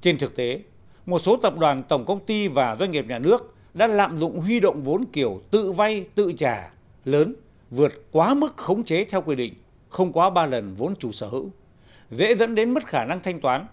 trên thực tế một số tập đoàn tổng công ty và doanh nghiệp nhà nước đã lạm dụng huy động vốn kiểu tự vay tự trả lớn vượt quá mức khống chế theo quy định không quá ba lần vốn chủ sở hữu dễ dẫn đến mất khả năng thanh toán